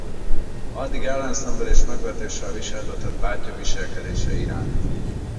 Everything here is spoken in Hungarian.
Addig ellenszenvvel és megvetéssel viseltetett bátyja viselkedése iránt.